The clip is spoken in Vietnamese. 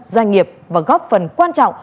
doanh nghiệp và góp phần quan trọng